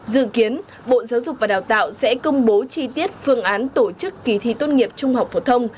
dự kiến bộ giáo dục và đào tạo sẽ công bố chi tiết phương án tổ chức kỳ thi tốt nghiệp trung học phổ thông